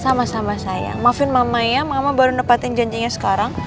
sama sama sayang maafin mama ya mama baru nepatin janjinya sekarang